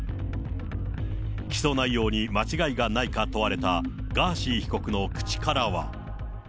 起訴内容に間違いがないか問われたガーシー被告の口からは。